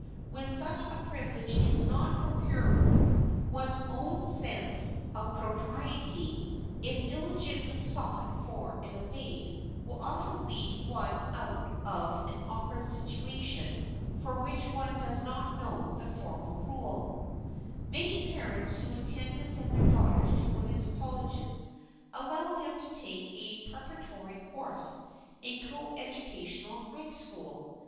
When such a privilege is not procurable, one's own sense of propriety, if diligently sought for and obeyed, will often lead one out of an awkward situation for which one does not know the formal rule. [Sidenote: HIGH SCHOOL PARTIES] Many parents who intend to send their daughters to women's colleges allow them to take a preparatory course in a coeducational high school.